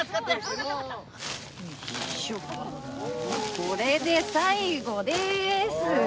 これで最後でーす！